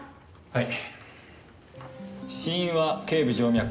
はい！